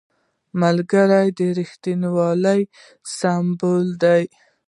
ملګری د رښتینولۍ سمبول دی